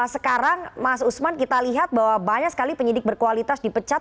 sekarang mas usman kita lihat bahwa banyak sekali penyidik berkualitas dipecat